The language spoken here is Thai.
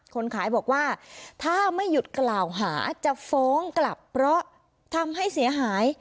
คนขายบอกว่าถ้าไม่หยุดกล่าวหาจะฟ้องกลับเพราะทำให้เสียหาย